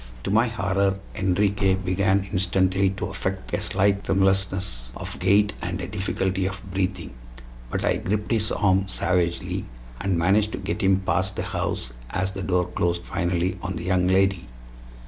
To my horror Enriquez began instantly to affect a slight tremulousness of gait and a difficulty of breathing; but I gripped his arm savagely, and managed to get him past the house as the door closed finally on the young lady.